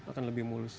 itu akan lebih mulus